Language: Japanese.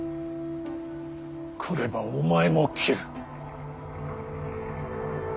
来ればお前も斬る。